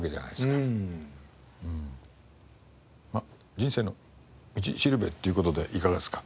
人生の道しるべっていう事でいかがですか？